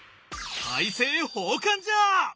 大政奉還じゃ！